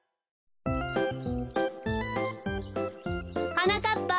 はなかっぱ